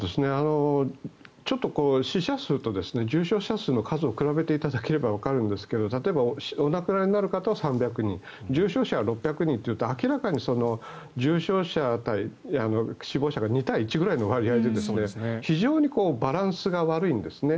死者数と重症者数の数を比べていただければわかるんですが、例えばお亡くなりになる方は３００人重症者は６００人というと明らかに重症者対死亡者が２対１くらいの割合で非常にバランスが悪いんですね。